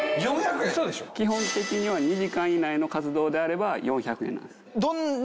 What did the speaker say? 基本的には２時間以内の活動であれば４００円なんです。